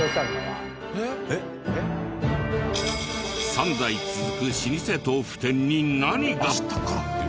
３代続く老舗豆腐店に何が！？